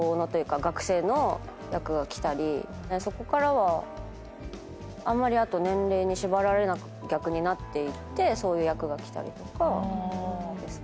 そこからはあんまり年齢に縛られなく逆になっていってそういう役が来たりとかですかね。